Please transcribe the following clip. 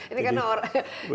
ini kan orang